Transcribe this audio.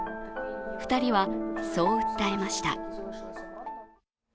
２人はそう訴えました。